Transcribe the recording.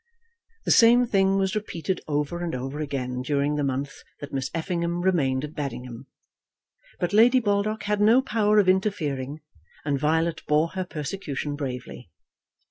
The same thing was repeated over and over again during the month that Miss Effingham remained at Baddingham, but Lady Baldock had no power of interfering, and Violet bore her persecution bravely.